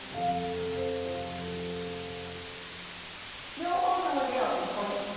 両方の腕を横に。